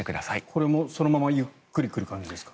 これも、そのままゆっくり来る感じですか？